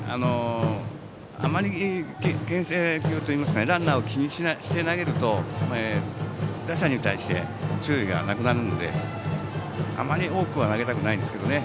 あまりけん制球といいますかランナーを気にして投げると打者に対して注意がなくなるのであまり多くは投げたくないんですけどね。